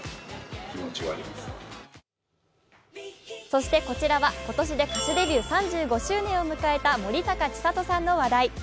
そして、こちらは今年で歌手デビュー３５周年を迎えた森高千里さんの話題。